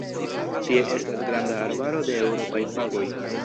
Tie estas granda arbaro de eŭropaj fagoj.